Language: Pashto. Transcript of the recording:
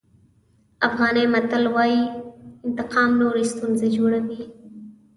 افغاني متل وایي انتقام نورې ستونزې جوړوي.